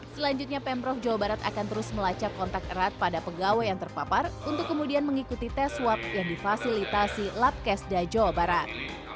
selanjutnya pemprov jawa barat akan terus melacak kontak erat pada pegawai yang terpapar untuk kemudian mengikuti tes swab yang difasilitasi labkesda jawa barat